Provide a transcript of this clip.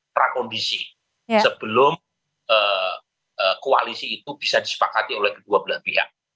prakondisi sebelum koalisi itu bisa disepakati oleh kedua belah pihak